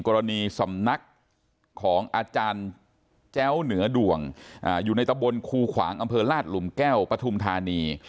กรณีสำนักของอาจารย์แจ้วเหนือดวงอยู่ในตะบนคูขวางอำเภอลาดหลุมแก้วปฐุมธานี